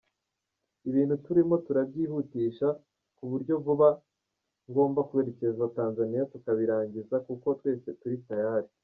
Ibintu turimo turabyihutisha ku buryo vuba ngomba kwerekeza Tanzaniya tukabirangiza, kuko twese turi tayari.